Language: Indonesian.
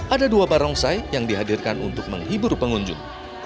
ada dua barongsai yang dihadirkan untuk menghibur pengunjung